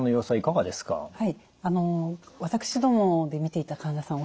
はい私どもで診ていた患者さん